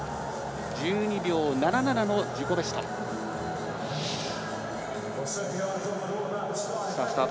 １２秒７７の自己ベスト。